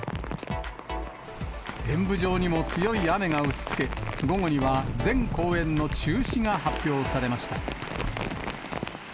演舞場にも強い雨が打ちつけ、午後には全公演の中止が発表されました。